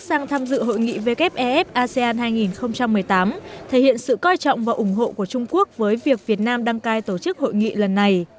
sang tham dự hội nghị wef asean hai nghìn một mươi tám thể hiện sự coi trọng và ủng hộ của trung quốc với việc việt nam đăng cai tổ chức hội nghị lần này